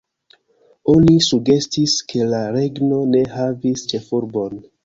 Oni sugestis ke la regno ne havis ĉefurbon.